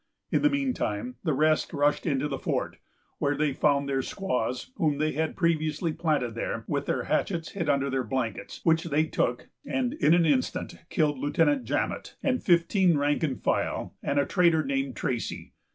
"In the mean time, the rest rushed into the fort, where they found their squaws, whom they had previously planted there, with their hatchets hid under their blankets, which they took, and in an instant killed Lieutenant Jamet, and fifteen rank and file, and a trader named Tracy.